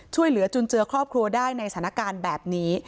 ช่วยเหลือจุนเจือครอบครัวได้ในสถานการณ์แบบนี้